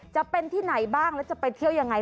จะเป็นที่ไหนบ้างแล้วจะไปเที่ยวยังไง